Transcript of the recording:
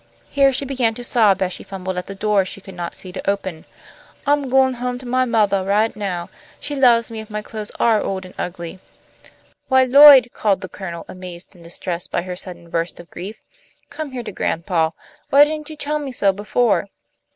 Here she began to sob, as she fumbled at the door she could not see to open. "I'm goin' home to my mothah right now. She loves me if my clothes are old and ugly." "Why, Lloyd," called the Colonel, amazed and distressed by her sudden burst of grief. "Come here to grandpa. Why didn't you tell me so before?"